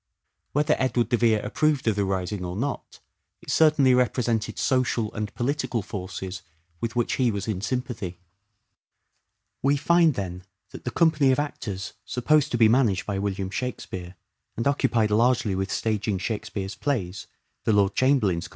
Whether Edward de Vere approved of the rising or not, it certainly represented social and political forces with which he was in sympathy. We find, then, that the company of actors supposed to be managed by William Shakspere, and occupied largely with staging Shake speare's plays, the Lord Chamberlain's company was HENRY WRIOTHESI.